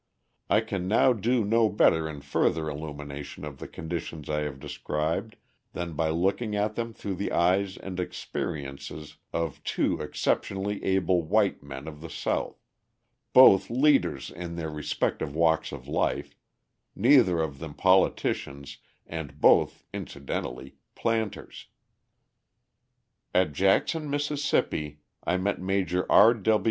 I can now do no better in further illumination of the conditions I have described than by looking at them through the eyes and experiences of two exceptionally able white men of the South, both leaders in their respective walks of life, neither of them politicians and both, incidentally, planters. At Jackson, Miss., I met Major R.